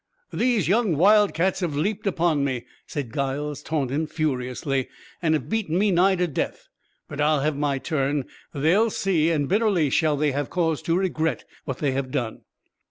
"These young wild cats have leapt upon me," said Giles Taunton furiously, "and have beaten me nigh to death. But I will have my turn. They will see, and bitterly shall they have cause to regret what they have done."